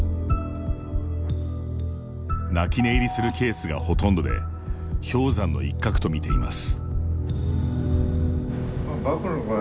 泣き寝入りするケースがほとんどで氷山の一角と見ています。